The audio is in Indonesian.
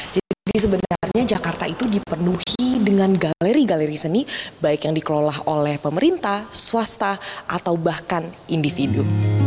jadi sebenarnya jakarta itu dipenuhi dengan galeri galeri seni baik yang dikelola oleh pemerintah swasta atau bahkan individu